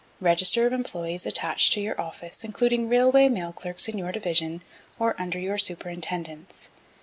Register of Employés attached to your office, including Railway Mail Clerks in your Division, or under your superintendence.